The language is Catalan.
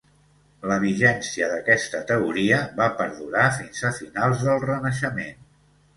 La vigència d'aquesta teoria va perdurar fins a finals del Renaixement.